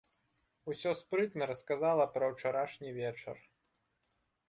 Усё спрытна расказала пра ўчарашні вечар.